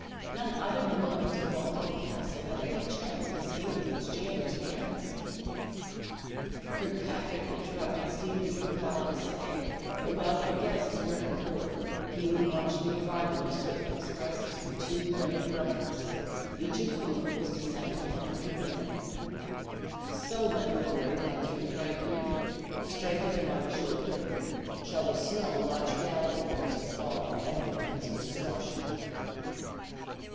None other belonging to Bothwell Castle had any chance of escaping its jailer's hands." Kirkpatrick interrupted Stephen's reply by saying that while their guests were at the board he would watch the arrival of certain expresses from two brave Drummonds, each of whom was to send him a hundred men: "So, my good Lord Andrew," cried he, striking him on the shoulder, "shall the snow launch gather that is to fall on Edward to his destruction."